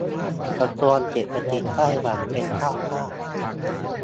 กระทรวงเศรษฐกิจไต้หวันเป็นเจ้าภาพ